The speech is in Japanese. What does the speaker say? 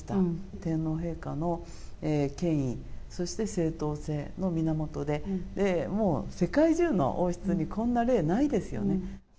天皇陛下の権威、そして正当性の源で、世界中の王室にこんな例ないですよね。